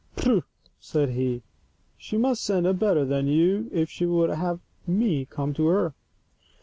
" Prut !" said he, " she must send a better than you if she would have me come to her.